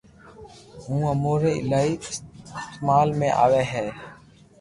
او اموري ايلائي استعمال ۾ آوي ھي